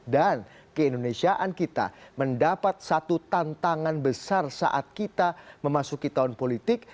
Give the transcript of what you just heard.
dan keindonesiaan kita mendapat satu tantangan besar saat kita memasuki tahun politik